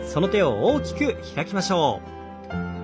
大きく開きましょう。